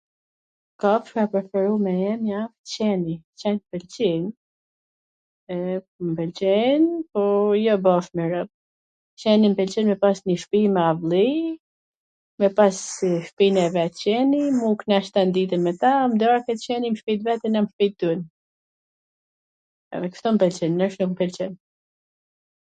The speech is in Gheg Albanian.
kafsha e preferume jemja, qeni, qenin e pwlqej, m pwlqen, po jo bashk me robt , qeni m pwlqen me pas njw shpi me avlliii, me pas shpin e vet qeni, m'u knaq tan diten me ta, n darket qeni n shpi t vet e na n shpi ton, kshtu m pwlqen, ndryshe nuk m pwlqen